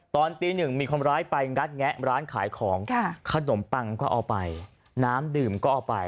ตอนตีหนึ่งมีคนร้ายไปงัดแงะร้านขายของขนมปังก็เอาไปน้ำดื่มก็เอาไป